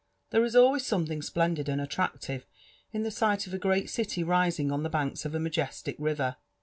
There is always aomelhibg splendid and atlraclive in tlie sight of a great city rising oil the banks of a majestic river.